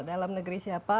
dalam negeri siapa